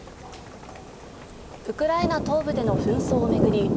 ウクライナ東部での紛争を巡り